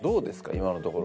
今のところ。